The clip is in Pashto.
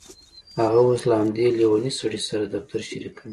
هغه اوس له همدې لیونۍ سړي سره دفتر شریکوي